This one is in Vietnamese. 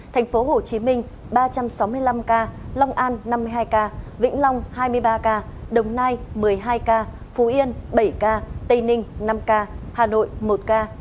tp hcm ba trăm sáu mươi năm ca long an năm mươi hai ca vĩnh long hai mươi ba ca đồng nai một mươi hai ca phú yên bảy ca tây ninh năm ca hà nội một ca